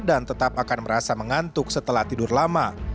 tetap akan merasa mengantuk setelah tidur lama